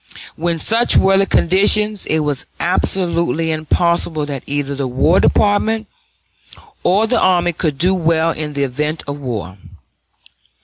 When such were the conditions, it was absolutely impossible that either the War Department or the army could do well in the event of war.